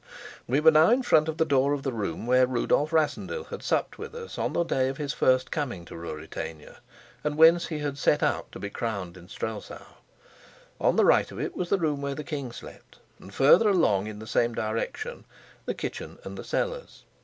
We were now in front of the door of the room where Rudolf Rassendyll had supped with us on the day of his first coming to Ruritania, and whence he had set out to be crowned in Strelsau. On the right of it was the room where the king slept, and farther along in the same direction the kitchen and the cellars.